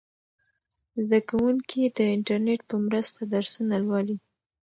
زده کوونکي د انټرنیټ په مرسته درسونه لولي.